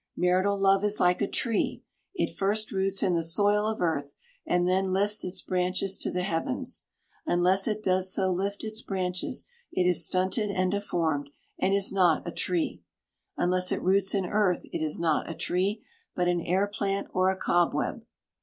Marital love is like a tree. It first roots in the soil of earth, and then lifts its branches to the heavens. Unless it does so lift its branches it is stunted and deformed, and is not a tree. Unless it roots in earth it is not a tree, but an air plant or a cobweb.